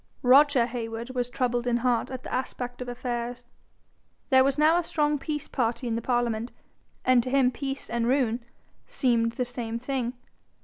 Roger Heywood was troubled in heart at the aspect of affairs. There was now a strong peace party in the parliament, and to him peace and ruin seemed the same thing.